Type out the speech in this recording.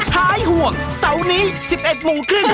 หายห่วงเสาร์นี้๑๑โมงครึ่ง